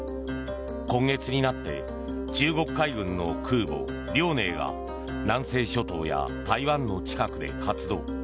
今月になって中国海軍の空母「遼寧」が南西諸島や台湾の近くで活動。